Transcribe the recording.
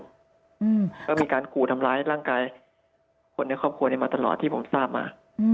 อืมก็มีการขู่ทำร้ายร่างกายคนในครอบครัวนี้มาตลอดที่ผมทราบมาอืม